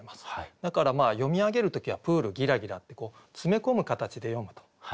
だから読み上げる時は「プールぎらぎら」って詰め込む形で読むと。